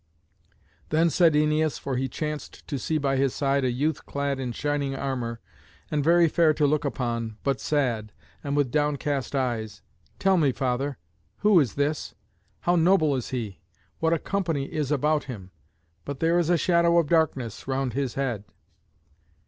Then said Æneas, for he chanced to see by his side a youth clad in shining armour, and very fair to look upon, but sad, and with downcast eyes, "Tell me, father, who is this? How noble is he! What a company is about him! but there is a shadow of darkness round his head."